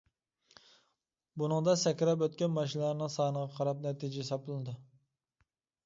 بۇنىڭدا سەكرەپ ئۆتكەن ماشىنىلارنىڭ سانىغا قاراپ نەتىجە ھېسابلىنىدۇ.